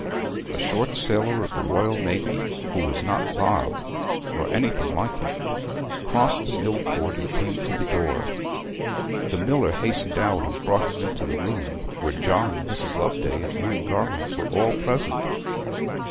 A short sailor of the Royal Navy, who was not Bob, nor anything like him, crossed the mill court and came to the door. The miller hastened out and brought him into the room, where John, Mrs. Loveday, and Anne Garland were all present.